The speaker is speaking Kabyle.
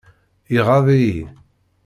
Iɣaḍ-iyi.